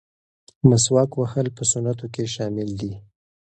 مسواک وهل په سنتو کې شامل دي.